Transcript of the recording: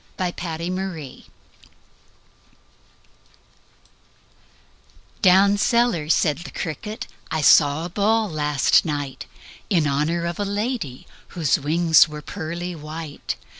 The Potato's Dance "Down cellar," said the cricket, "I saw a ball last night In honor of a lady Whose wings were pearly white.